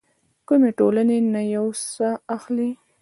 کومې ټولنې نه يو څه اخلي.